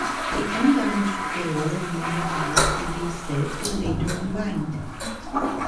The undamaged trailer and motor cars from these sets were later combined.